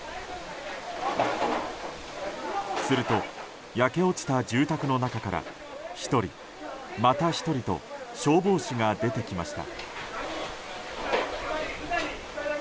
すると、焼け落ちた住宅の中から１人、また１人と消防士が出てきました。